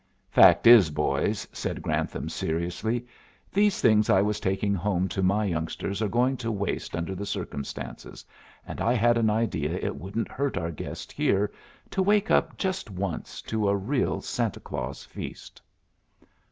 "Fact is, boys," said Grantham seriously, "these things I was taking home to my youngsters are going to waste under the circumstances, and I had an idea it wouldn't hurt our guest here to wake up just once to a real Santa Claus feast."